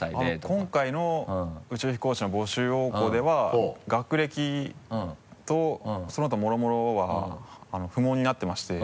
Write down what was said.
今回の宇宙飛行士の募集要項では学歴とその他もろもろは不問になってまして。